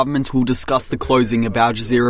pemerintah akan berbincang tentang penutupan al jazeera